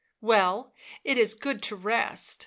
" Well, it is good to rest.